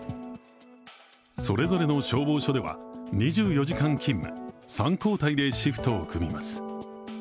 それぞれの消防署では２４時間勤務３交代でシフトを組みます。